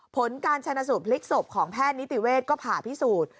ผลการชนะสูตรพลิกศพของแพทย์นิติเวศก็ผ่าพิสูจน์